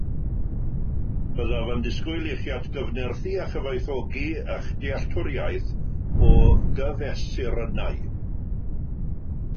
Byddaf yn disgwyl i chi atgyfnerthu a chyfoethogi eich dealltwriaeth o gyfesurynnau